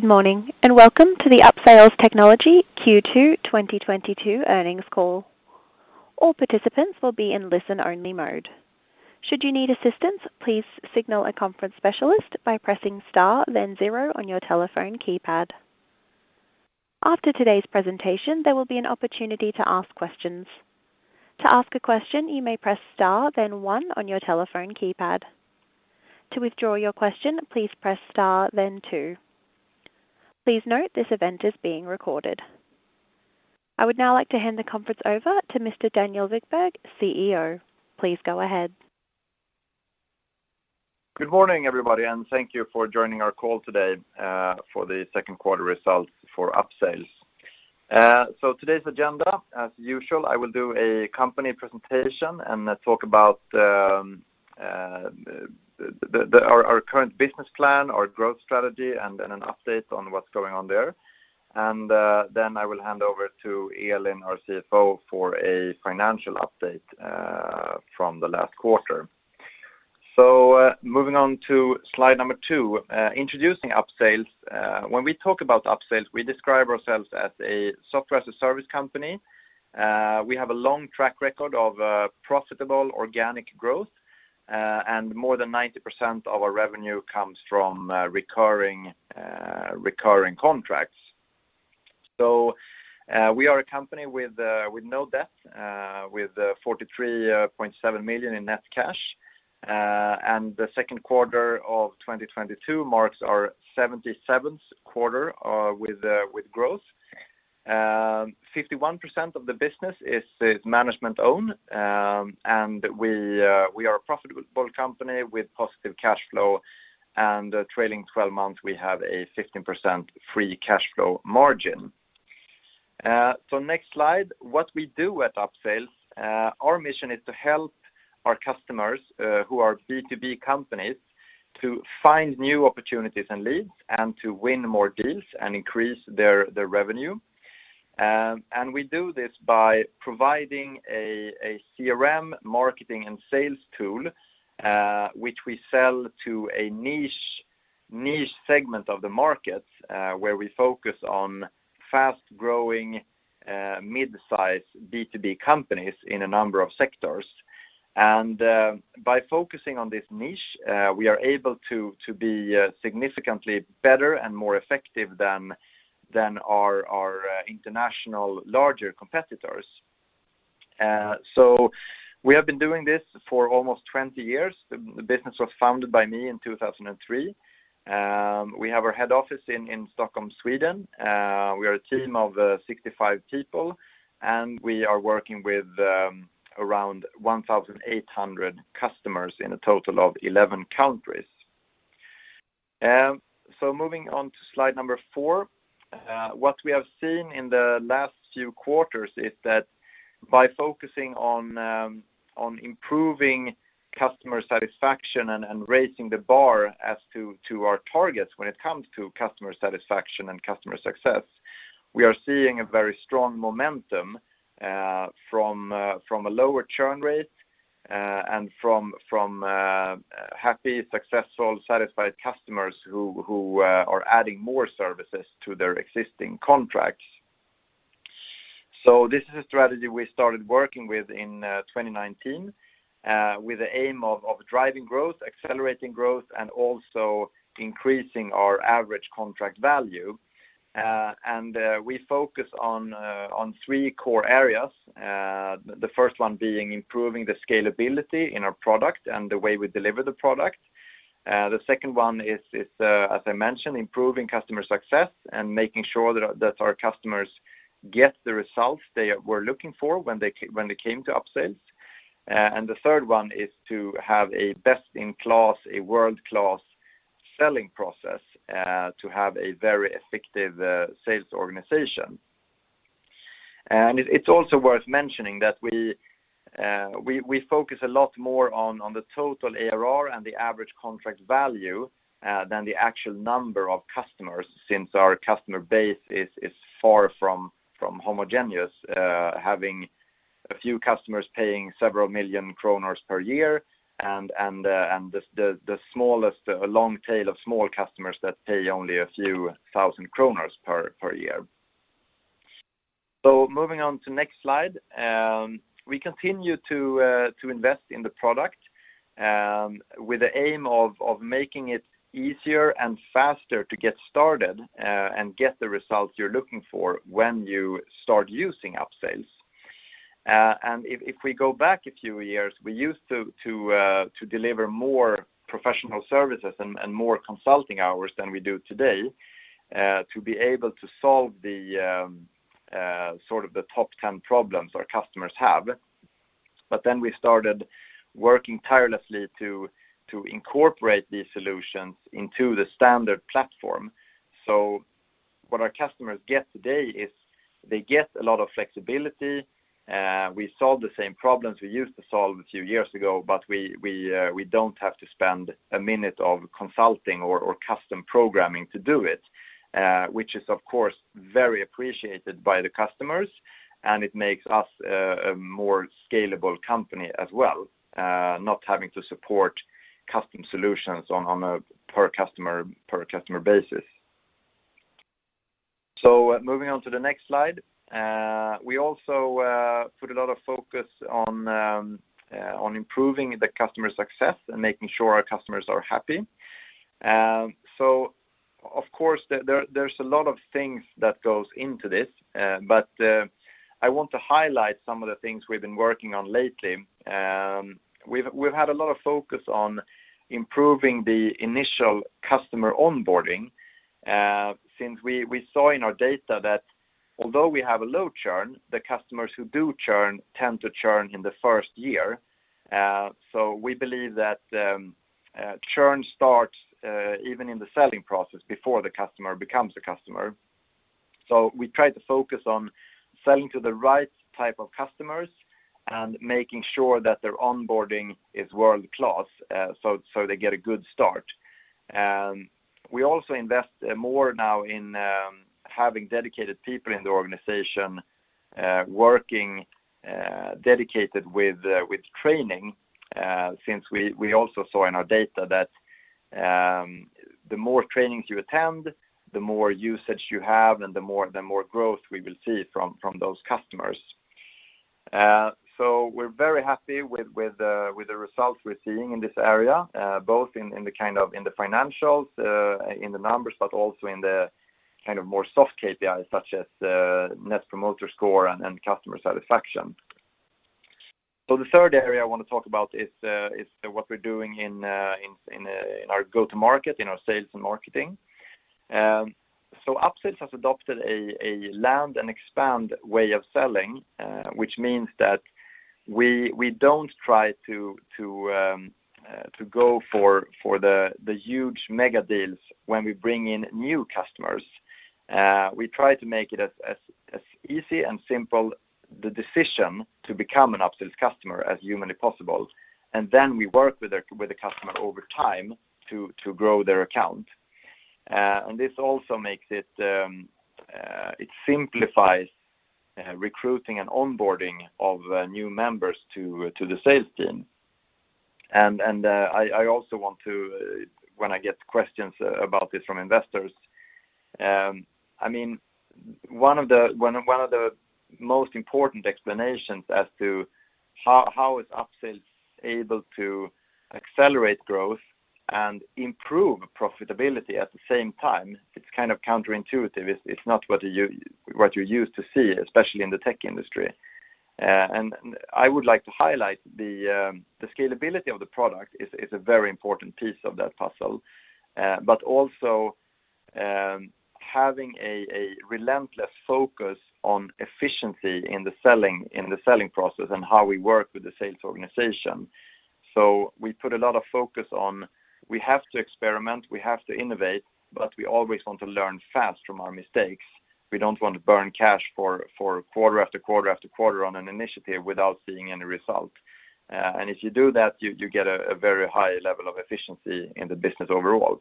Good morning, and welcome to the Upsales Technology Q2 2022 earnings call. All participants will be in listen-only mode. Should you need assistance, please signal a conference specialist by pressing Star then zero on your telephone keypad. After today's presentation, there will be an opportunity to ask questions. To ask a question, you may press Star then one on your telephone keypad. To withdraw your question, please press Star then two. Please note this event is being recorded. I would now like to hand the conference over to Mr. Daniel Wikberg, CEO. Please go ahead. Good morning, everybody, and thank you for joining our call today, for the second quarter results for Upsales. Today's agenda, as usual, I will do a company presentation and talk about our current business plan, our growth strategy, and then an update on what's going on there. I will hand over to Elin, our CFO, for a financial update from the last quarter. Moving on to slide number two, introducing Upsales. When we talk about Upsales, we describe ourselves as a software as a service company. We have a long track record of profitable organic growth, and more than 90% of our revenue comes from recurring contracts. We are a company with no debt, with 43.7 million in net cash. The second quarter of 2022 marks our 77th quarter with growth. 51% of the business is management-owned, and we are a profitable company with positive cash flow and trailing twelve-month, we have a 15% free cash flow margin. Next slide, what we do at Upsales, our mission is to help our customers who are B2B companies to find new opportunities and leads and to win more deals and increase their revenue. We do this by providing a CRM marketing and sales tool, which we sell to a niche segment of the market, where we focus on fast-growing mid-size B2B companies in a number of sectors. By focusing on this niche, we are able to be significantly better and more effective than our international larger competitors. We have been doing this for almost 20 years. The business was founded by me in 2003. We have our head office in Stockholm, Sweden. We are a team of 65 people, and we are working with around 1,800 customers in a total of 11 countries. Moving on to slide number four, what we have seen in the last few quarters is that by focusing on improving customer satisfaction and raising the bar as to our targets when it comes to customer satisfaction and customer success, we are seeing a very strong momentum from a lower churn rate and from happy, successful, satisfied customers who are adding more services to their existing contracts. This is a strategy we started working with in 2019 with the aim of driving growth, accelerating growth, and also increasing our average contract value. We focus on three core areas. The first one being improving the scalability in our product and the way we deliver the product. The second one is, as I mentioned, improving customer success and making sure that our customers get the results they were looking for when they came to Upsales. The third one is to have a best-in-class, a world-class selling process, to have a very effective, sales organization. It's also worth mentioning that we focus a lot more on the total ARR and the average contract value, than the actual number of customers since our customer base is far from homogeneous, having a few customers paying several million SEK per year and the smallest, a long tail of small customers that pay only a few thousand SEK per year. Moving on to next slide. We continue to invest in the product with the aim of making it easier and faster to get started and get the results you're looking for when you start using Upsales. If we go back a few years, we used to deliver more professional services and more consulting hours than we do today to be able to solve sort of the top ten problems our customers have. Then we started working tirelessly to incorporate these solutions into the standard platform. What our customers get today is they get a lot of flexibility. We solve the same problems we used to solve a few years ago, but we don't have to spend a minute of consulting or custom programming to do it, which is, of course, very appreciated by the customers, and it makes us a more scalable company as well, not having to support custom solutions on a per customer basis. Moving on to the next slide. We also put a lot of focus on improving the customer success and making sure our customers are happy. Of course there is a lot of things that goes into this. I want to highlight some of the things we've been working on lately. We've had a lot of focus on improving the initial customer onboarding, since we saw in our data that although we have a low churn, the customers who do churn tend to churn in the first year. We believe that churn starts even in the selling process before the customer becomes a customer. We try to focus on selling to the right type of customers and making sure that their onboarding is world-class, so they get a good start. We also invest more now in having dedicated people in the organization, working dedicated with training, since we also saw in our data that the more trainings you attend, the more usage you have and the more growth we will see from those customers. We're very happy with the results we're seeing in this area, both in the financials, in the numbers, but also in the kind of more soft KPI such as Net Promoter Score and customer satisfaction. The third area I want to talk about is what we're doing in our go-to-market, in our sales and marketing. Upsales has adopted a land and expand way of selling, which means that we don't try to go for the huge mega deals when we bring in new customers. We try to make it as easy and simple the decision to become an Upsales customer as humanly possible. We work with a customer over time to grow their account. This also simplifies recruiting and onboarding of new members to the sales team. I also want to, when I get questions about this from investors, I mean, one of the most important explanations as to how Upsales is able to accelerate growth and improve profitability at the same time. It's kind of counterintuitive. It's not what you're used to see, especially in the tech industry. I would like to highlight the scalability of the product is a very important piece of that puzzle. Also, having a relentless focus on efficiency in the selling process and how we work with the sales organization. We put a lot of focus on we have to experiment, we have to innovate, but we always want to learn fast from our mistakes. We don't want to burn cash for quarter after quarter after quarter on an initiative without seeing any result. If you do that, you get a very high level of efficiency in the business overall.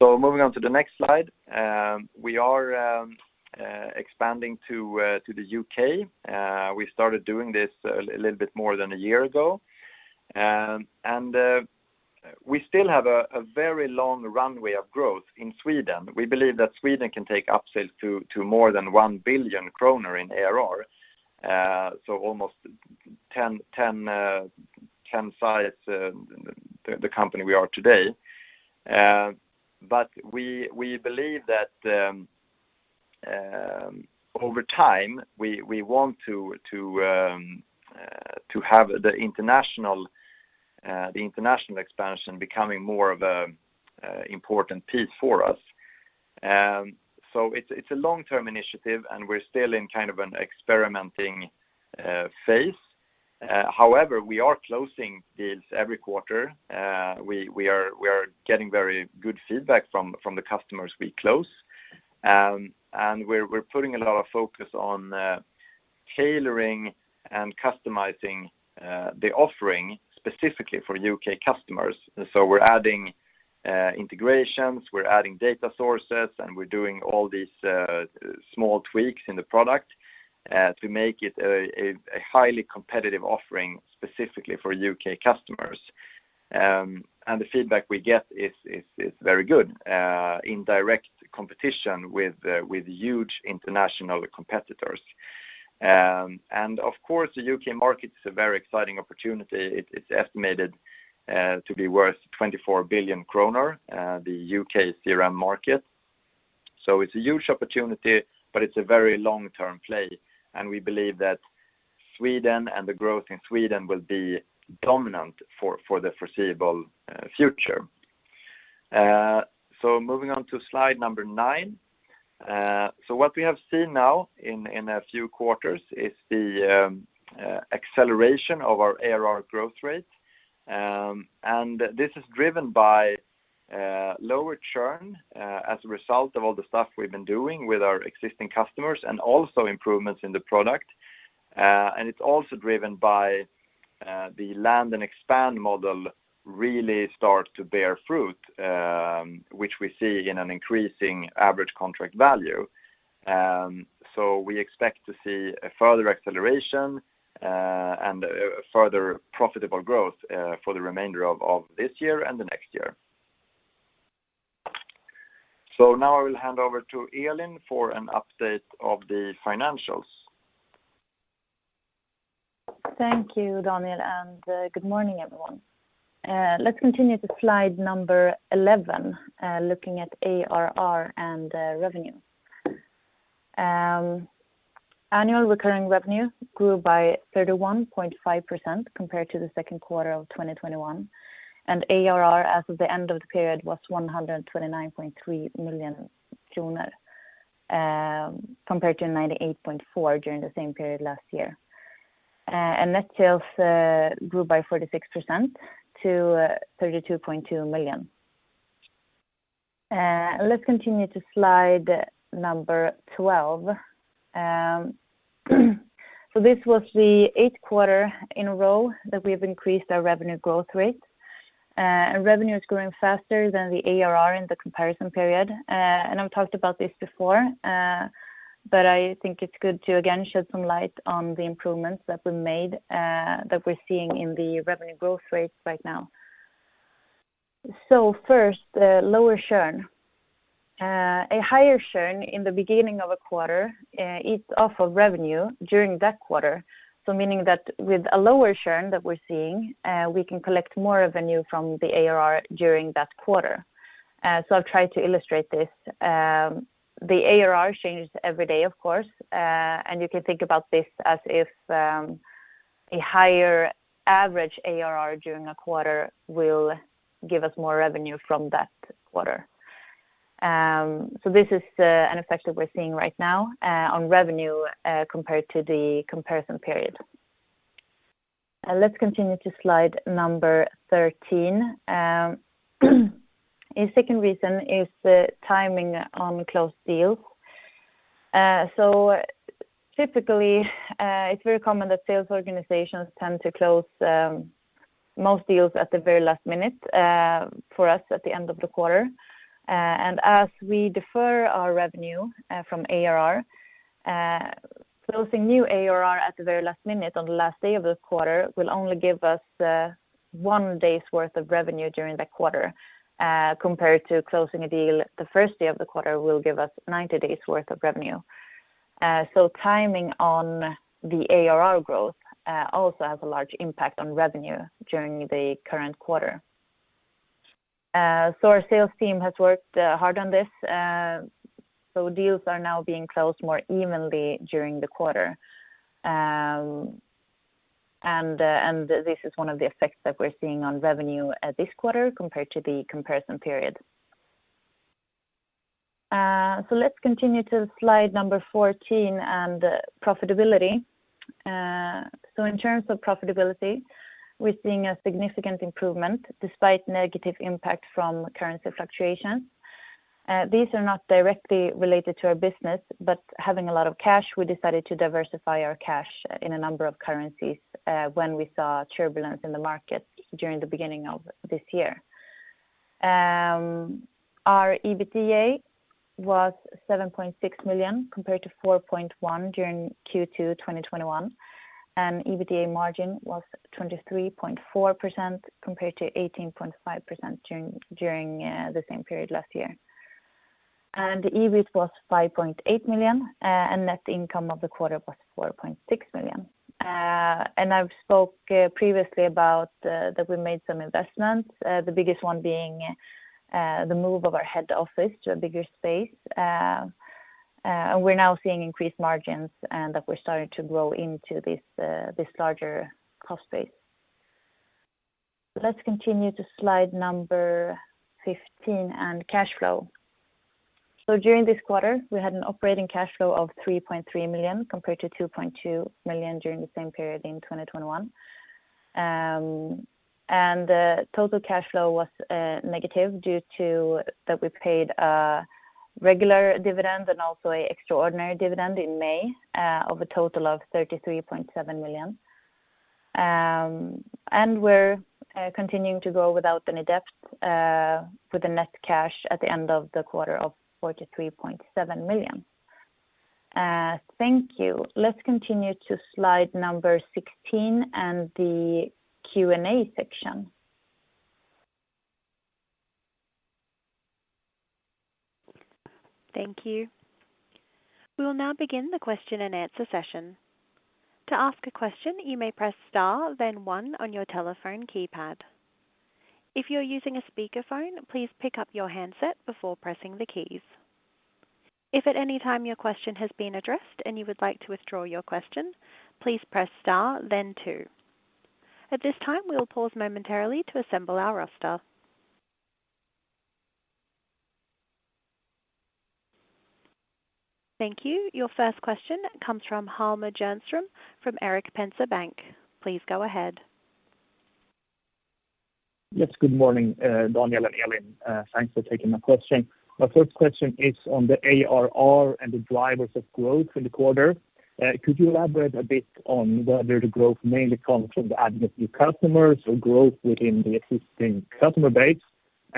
Moving on to the next slide. We are expanding to the U.K. We started doing this a little bit more than a year ago. We still have a very long runway of growth in Sweden. We believe that Sweden can take Upsales to more than 1 billion kronor in ARR. Almost 10 times the size of the company we are today. We believe that over time, we want to have the international expansion becoming more of an important piece for us. It's a long-term initiative, and we're still in kind of an experimental phase. However, we are closing deals every quarter. We are getting very good feedback from the customers we close. We're putting a lot of focus on tailoring and customizing the offering specifically for U.K. customers. We're adding integrations, we're adding data sources, and we're doing all these small tweaks in the product to make it a highly competitive offering specifically for U.K. customers. The feedback we get is very good in direct competition with huge international competitors. Of course, the U.K. market is a very exciting opportunity. It's estimated to be worth 24 billion kronor, the U.K. CRM market. It's a huge opportunity, but it's a very long-term play, and we believe that Sweden and the growth in Sweden will be dominant for the foreseeable future. Moving on to slide number nine. What we have seen now in a few quarters is the acceleration of our ARR growth rate. This is driven by lower churn as a result of all the stuff we've been doing with our existing customers and also improvements in the product. It's also driven by the land and expand model really start to bear fruit, which we see in an increasing average contract value. We expect to see a further acceleration, and a further profitable growth, for the remainder of this year and the next year. Now I will hand over to Elin for an update of the financials. Thank you, Daniel, and good morning, everyone. Let's continue to slide number 11, looking at ARR and revenue. Annual recurring revenue grew by 31.5% compared to the second quarter of 2021, and ARR as of the end of the period was 129.3 million kronor, compared to 98.4 million during the same period last year. Net sales grew by 46% to 32.2 million. Let's continue to slide number 12. This was the eighth quarter in a row that we've increased our revenue growth rate. Revenue is growing faster than the ARR in the comparison period. I've talked about this before, but I think it's good to again shed some light on the improvements that we made, that we're seeing in the revenue growth rates right now. First, lower churn. A higher churn in the beginning of a quarter eats off of revenue during that quarter. Meaning that with a lower churn that we're seeing, we can collect more revenue from the ARR during that quarter. I've tried to illustrate this. The ARR changes every day, of course, and you can think about this as if a higher average ARR during a quarter will give us more revenue from that quarter. This is an effect that we're seeing right now on revenue compared to the comparison period. Let's continue to slide number 13. A second reason is the timing on closed deals. Typically, it's very common that sales organizations tend to close most deals at the very last minute, for us at the end of the quarter. As we defer our revenue from ARR, closing new ARR at the very last minute on the last day of the quarter will only give us one day's worth of revenue during that quarter, compared to closing a deal the first day of the quarter will give us 90 days' worth of revenue. Timing on the ARR growth also has a large impact on revenue during the current quarter. Our sales team has worked hard on this. Deals are now being closed more evenly during the quarter. This is one of the effects that we're seeing on revenue at this quarter compared to the comparison period. Let's continue to slide number 14 and profitability. In terms of profitability, we're seeing a significant improvement despite negative impact from currency fluctuations. These are not directly related to our business, but having a lot of cash, we decided to diversify our cash in a number of currencies when we saw turbulence in the market during the beginning of this year. Our EBITDA was 7.6 million, compared to 4.1 million during Q2 2021. EBITDA margin was 23.4% compared to 18.5% during the same period last year. EBIT was 5.8 million, and net income of the quarter was 4.6 million. I've spoke previously about that we made some investments, the biggest one being the move of our head office to a bigger space. We're now seeing increased margins and that we're starting to grow into this larger cost base. Let's continue to slide number 15 and cash flow. During this quarter, we had an operating cash flow of 3.3 million compared to 2.2 million during the same period in 2021. The total cash flow was negative due to that we paid a regular dividend and also an extraordinary dividend in May of a total of 33.7 million. We're continuing to grow without any debt with a net cash at the end of the quarter of 43.7 million. Thank you. Let's continue to slide number 16 and the Q&A section. Thank you. We will now begin the question and answer session. To ask a question, you may press star then one on your telephone keypad. If you're using a speakerphone, please pick up your handset before pressing the keys. If at any time your question has been addressed and you would like to withdraw your question, please press star then two. At this time, we will pause momentarily to assemble our roster. Thank you. Your first question comes from Hjalmar Jernström from Erik Penser Bank. Please go ahead. Yes, good morning, Daniel and Elin. Thanks for taking my question. My first question is on the ARR and the drivers of growth in the quarter. Could you elaborate a bit on whether the growth mainly comes from the adding of new customers or growth within the existing customer base?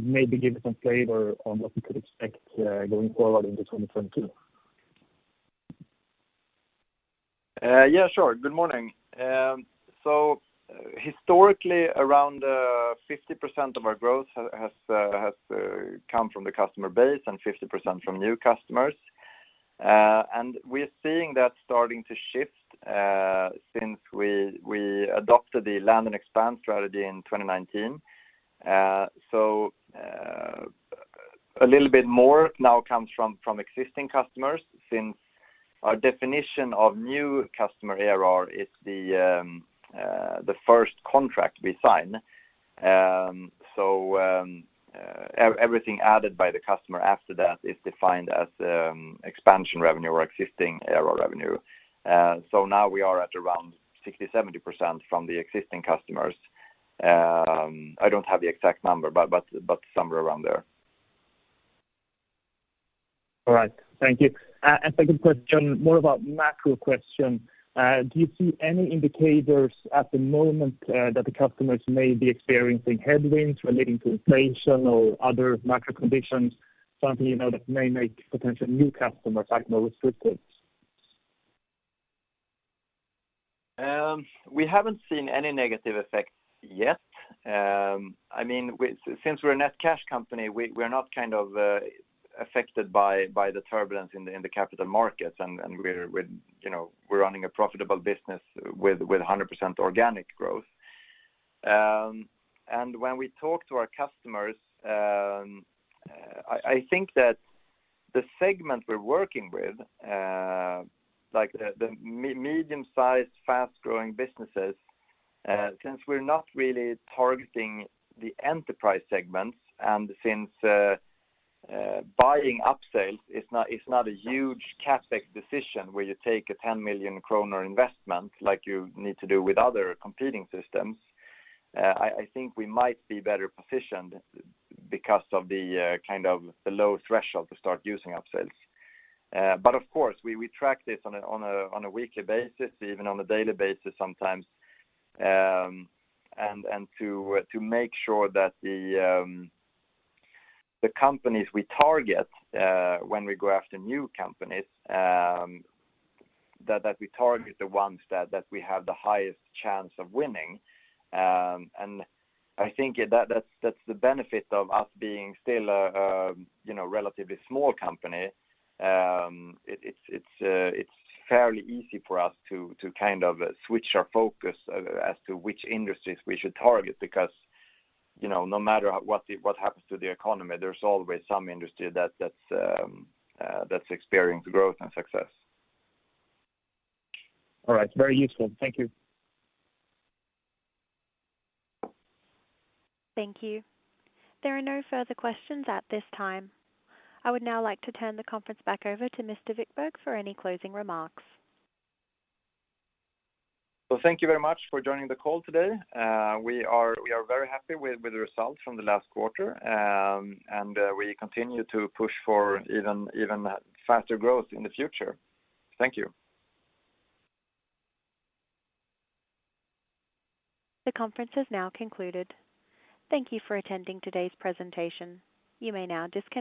Maybe give some flavor on what we could expect going forward into 2022. Yeah, sure. Good morning. Historically, around 50% of our growth has come from the customer base and 50% from new customers. We're seeing that starting to shift since we adopted the land and expand strategy in 2019. A little bit more now comes from existing customers since our definition of new customer ARR is the first contract we sign. Everything added by the customer after that is defined as expansion revenue or existing ARR revenue. Now we are at around 60%-70% from the existing customers. I don't have the exact number, but somewhere around there. All right. Thank you. Second question, more of a macro question. Do you see any indicators at the moment, that the customers may be experiencing headwinds relating to inflation or other macro conditions, something, you know, that may make potential new customers act more restrictive? We haven't seen any negative effects yet. I mean, since we're a net cash company, we're not kind of affected by the turbulence in the capital markets. You know, we're running a profitable business with 100% organic growth. When we talk to our customers, I think that the segment we're working with, like the medium-size, fast-growing businesses, since we're not really targeting the enterprise segments, and since buying Upsales is not a huge CapEx decision where you take a 10 million kronor investment like you need to do with other competing systems, I think we might be better positioned because of kind of the low threshold to start using Upsales. Of course, we track this on a weekly basis, even on a daily basis sometimes, and to make sure that the companies we target when we go after new companies, that we target the ones that we have the highest chance of winning. I think that's the benefit of us being still a you know relatively small company. It's fairly easy for us to kind of switch our focus as to which industries we should target because you know no matter what happens to the economy, there's always some industry that's experienced growth and success. All right. Very useful. Thank you. Thank you. There are no further questions at this time. I would now like to turn the conference back over to Mr. Wikberg for any closing remarks. Well, thank you very much for joining the call today. We are very happy with the results from the last quarter, and we continue to push for even faster growth in the future. Thank you. The conference has now concluded. Thank you for attending today's presentation. You may now disconnect.